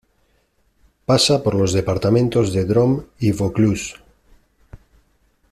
Pasa por los departamentos de Drôme y Vaucluse.